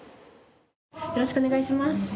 よろしくお願いします。